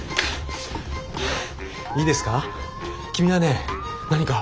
いいですか？